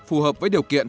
phù hợp với điều kiện